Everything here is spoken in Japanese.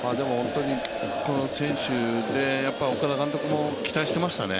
この選手で岡田監督も期待してましたね。